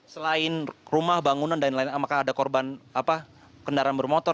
selain rumah bangunan dan lain lain apakah ada korban kendaraan bermotor